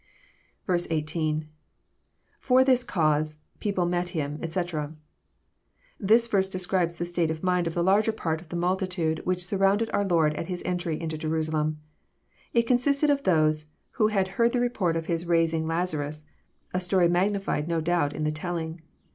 18. — \_For this cattae.,. people met him, etc."] This verse describes the state of mind of the larger part of the multitude which sur rounded our Lord at His entry into Jerusalem. It consisted of ^ those who had heard the report of His raising Lazanis, — a story magnified, no doubt, in the telling.